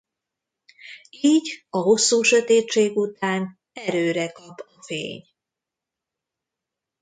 Így a hosszú sötétség után erőre kap a fény.